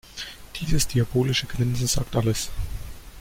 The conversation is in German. Dieses diabolische Grinsen sagt alles.